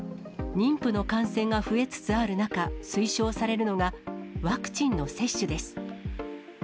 妊婦の感染が増えつつある中、推奨されるのが、ワクチンの接種です。